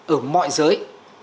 ở mọi giới